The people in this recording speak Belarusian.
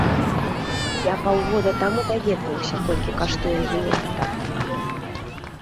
Я паўгода таму даведваўся, колькі каштуе генератар.